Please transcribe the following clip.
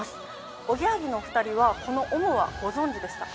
おぎやはぎのお２人はこのＯＭＯはご存じでしたか？